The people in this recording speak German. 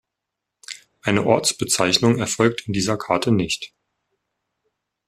Eine Ortsbezeichnung erfolgt in dieser Karte nicht.